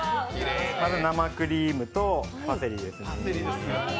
まず生クリームとパセリですね。